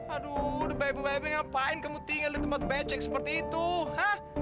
aduh udah ibu baik ngapain kamu tinggal di tempat becek seperti itu hah